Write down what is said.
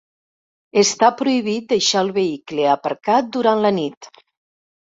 Està prohibit deixar el vehicle aparcat durant la nit.